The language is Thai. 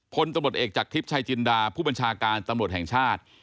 พลตำรวจเอกจากทิพย์ชายจินดาผู้บัญชาการตำรวจแห่งชาติ